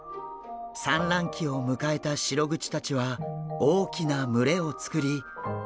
産卵期を迎えたシログチたちは大きな群れを作り泳いでいます。